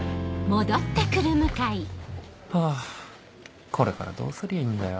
ハァこれからどうすりゃいいんだよ